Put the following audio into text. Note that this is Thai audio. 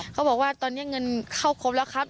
เขาบอกว่าตอนนี้เงินเข้าครบแล้วครับ